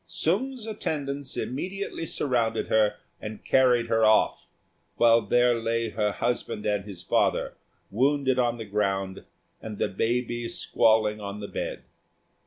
Sung's attendants immediately surrounded her and carried her off, while there lay her husband and his father, wounded on the ground and the baby squalling on the bed.